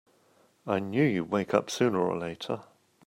I knew you'd wake up sooner or later!